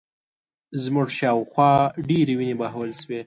زموږ شا و خوا ډېرې وینې بهول شوې